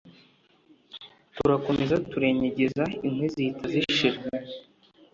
Turakomeza turenyegeza inkwi zihita zishira